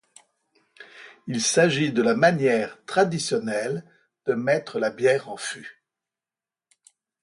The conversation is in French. Il s'agit de la manière traditionnelle de mettre la bière en fûts.